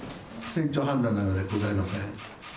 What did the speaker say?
船長判断なのでございません。